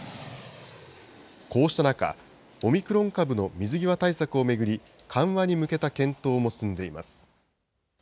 こうした中、オミクロン株の水際対策を巡り、緩和に向けた検討も進んでいます。